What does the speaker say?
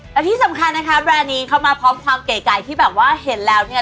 และที่สำคัญนะคะแบรนด์นี้เข้ามาพร้อมความเก๋ไก่ที่แบบว่าเห็นแล้วเนี่ย